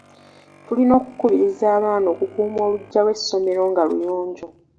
Tulina okukubiriza abaana okukuuma oluggya lw'essomero nga luyonjo.